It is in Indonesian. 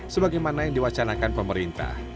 sebagaimana yang diwacanakan pemerintah